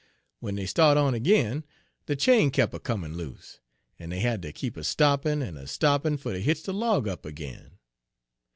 W'en dey start' on ag'in, de chain kep' a comin' loose, en dey had ter keep a stoppin' en a stoppin' fer ter hitch de log up ag'in.